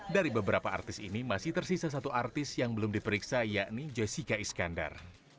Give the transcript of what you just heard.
dari beberapa artis ini masih tersisa satu artis yang belum diperiksa yakni jessica iskandar